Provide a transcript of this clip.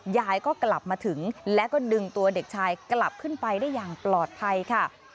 ยายก็กลับมาถึงแล้วก็ดึงตัวเด็กชายกลับขึ้นไปได้อย่างปลอดภัยค่ะ